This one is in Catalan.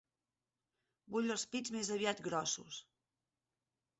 Vull els pits més aviat grossos.